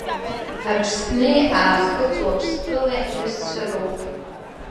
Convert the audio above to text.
Аԥсни Аахыҵ Уаԥстәылеи ҳҩызцәа роуп.